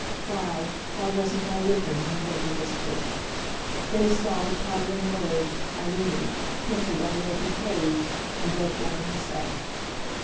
"Why—why wasn't I with him?" he heard her whisper. Then he saw the tottering word "Irene" pencilled on the open page, and broke down himself.